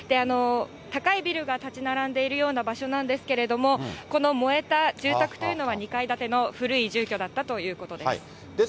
高いビルが建ち並んでいるような場所なんですけれども、この燃えた住宅というのは、２階建ての古い住居だったということです。